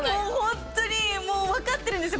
本当にもう分かってるんですよ。